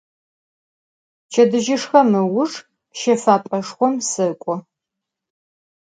Pçedıjışşhe ıujj şefap'eşşxom sek'o.